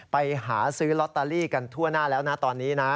ไปหาซื้อลอตเตอรี่กันทั่วหน้าแล้วนะตอนนี้นะ